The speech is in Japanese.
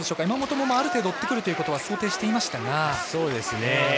山本もある程度追ってくるということは想定していましたが。